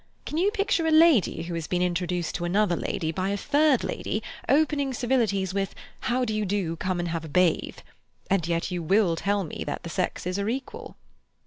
Can you picture a lady who has been introduced to another lady by a third lady opening civilities with 'How do you do? Come and have a bathe'? And yet you will tell me that the sexes are equal."